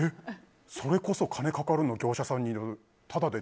それこそ金かかるから業者さんだと。